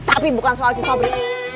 tapi bukan soal si sobri